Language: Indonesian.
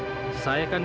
jadi saya sudah lama